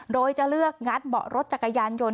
โดยจะเลือกงัดเบาะรถจักรยานยนต์